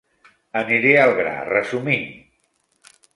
Aniré al gra, resumint